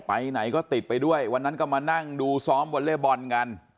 ไปไหนก็ติดไปด้วยวันนั้นก็มานั่งดูซ้อมวอเล่บอลกัน